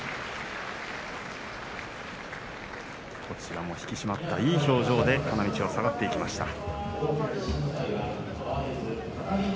こちらも引き締まったいい表情で花道を下がっていきます。